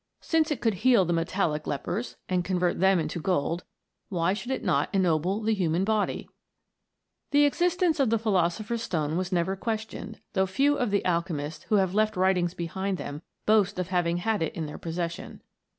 Since it could heal the metallic lepers, and convert them into gold, why should it not ennoble the human body ? The existence of the philosopher's stone was never questioned, though few of the alchemists who have left writings behind them boast of having had it in their possession.